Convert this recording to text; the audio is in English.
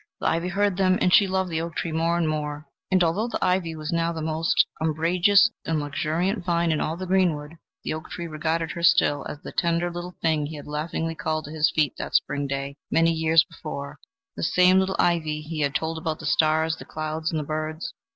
The ivy heard them, and she loved the oak tree more and more. And, although the ivy was now the most umbrageous and luxuriant vine in all the greenwood, the oak tree regarded her still as the tender little thing he had laughingly called to his feet that spring day, many years before, the same little ivy he had told about the stars, the clouds, and the birds.